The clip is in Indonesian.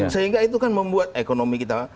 sehingga itu kan membuat ekonomi kita